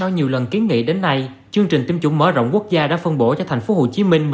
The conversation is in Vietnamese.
nhiều lần kiến nghị đến nay chương trình tiêm chủng mở rộng quốc gia đã phân bổ cho tp hcm